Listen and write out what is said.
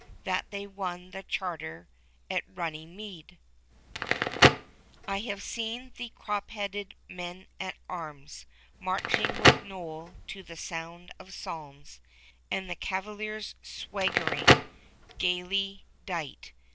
That they won the charter at Runnymede. I have seen the crop headed men at arms. Marching with Noll to the sound of psalms And cavaliers swaggering, gayly dight.